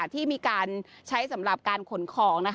ที่มีการใช้สำหรับการขนของ